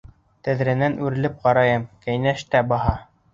Тәҙрәнән үрелеп ҡарайым, ҡәйнеш тә баһа.